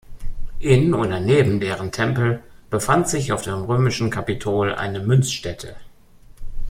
In oder neben deren Tempel befand sich auf dem römischen Kapitol eine Münzstätte.